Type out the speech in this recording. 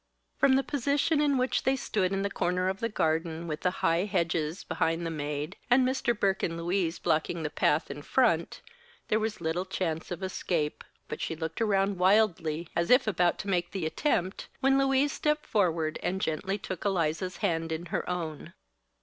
From the position in which they stood in the corner of the garden, with high hedges behind the maid, and Mr. Burke and Louise blocking the path in front, there was little chance of escape. But she looked around wildly, as if about to make the attempt, when Louise stepped forward and gently took Eliza's hand in her own.